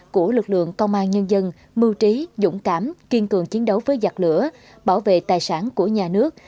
của lực lượng công an nhân dân mưu trí dũng cảm kiên cường chiến đấu với giặc lửa bảo vệ tài sản của nhà nước